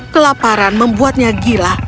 kelaparan membuatnya gila